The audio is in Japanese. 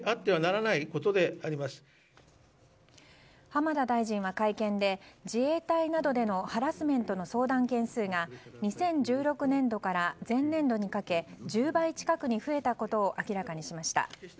浜田大臣は会見で自衛隊などでのハラスメントの相談件数が２０１６年度から前年度にかけ１０倍近くに増えたことを明らかにしました。